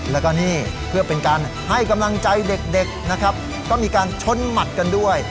แล้วก็นี่เพื่อเป็นการให้กำลังใจเด็กนะครับก็มีการชนหมัดกันด้วย